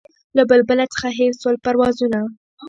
له بلبله څخه هېر سول پروازونه